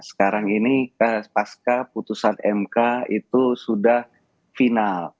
sekarang ini pasca putusan mk itu sudah final